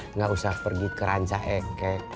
enggak usah pergi keranca ekek